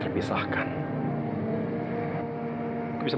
tetapi kita bisa dikasih jauh